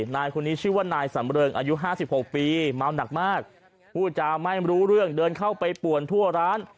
นายคนนี้ชื่อว่านายสำเริงอายุ๕๖ปีเมาหนักมากพูดจาไม่รู้เรื่องเดินเข้าไปป่วนทั่วร้าน